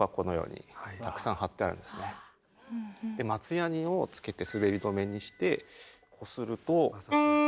実は松ヤニをつけて滑り止めにしてこすると。